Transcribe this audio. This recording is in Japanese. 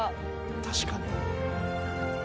確かに。